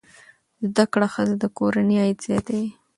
زده کړه ښځه د کورنۍ عاید زیاتوي.